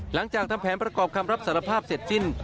หลังจากทำแผนประกอบคำรับสารภาพเสร็จสิ้น